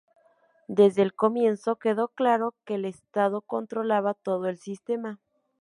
Desde el comienzo quedó claro que el Estado controlaba todo el sistema.